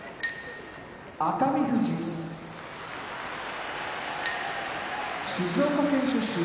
熱海富士静岡県出身